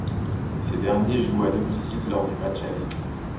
Ces derniers jouent à domicile lors du match aller.